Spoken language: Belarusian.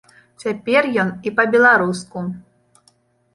Цяпер ён і па-беларуску!